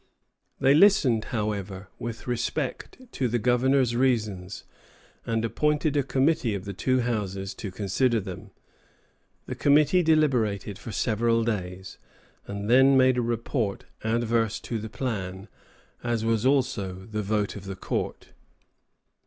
They listened, however, with respect to the Governor's reasons, and appointed a committee of the two houses to consider them. The committee deliberated for several days, and then made a report adverse to the plan, as was also the vote of the Court.